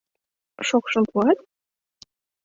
— Шокшым пуат?